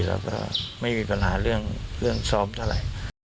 แล้วก็ไม่มีปัญหาเรื่องซ้อมเท่าไหร่